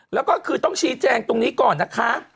แล้วก็คือต้องชี้แจงตรงนี้ก่อนนะคะ